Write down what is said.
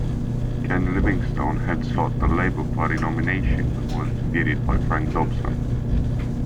Ken Livingstone had sought the Labour Party nomination but was defeated by Frank Dobson.